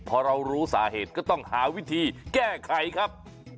พอเรารู้สาเหตุก็ต้องหาวิธีแก้ไขครับ